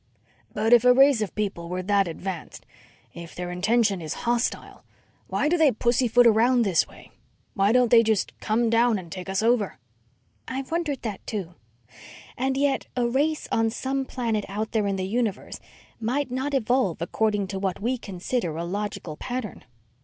"But if a race of people were that advanced, if their intention is hostile, why do they pussyfoot around this way? Why don't they just come down and take us over?" "I've wondered that, too. And yet, a race on some planet out there in the universe might not evolve according to what we consider a logical pattern."